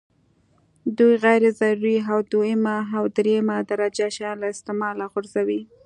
دوی غیر ضروري او دویمه او درېمه درجه شیان له استعماله غورځوي.